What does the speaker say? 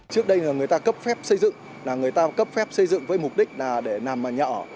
trước đây người ta cấp phép xây dựng là người ta cấp phép xây dựng với mục đích là để làm nhà ở